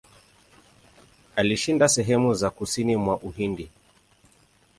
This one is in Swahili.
Alishinda sehemu za kusini mwa Uhindi.